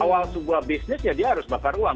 awal sebuah bisnis ya dia harus bakar uang